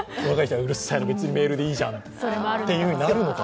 別にメールでいいじゃんってなるのかな。